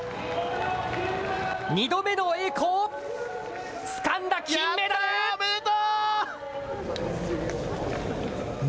２度目の栄光をつかんだ金メダル。